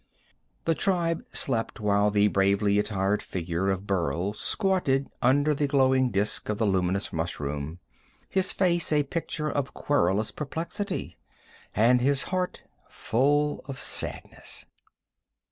The tribe slept while the bravely attired figure of Burl squatted under the glowing disk of the luminous mushroom, his face a picture of querulous perplexity, and his heart full of sadness.